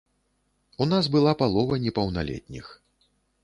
У нас была палова непаўналетніх.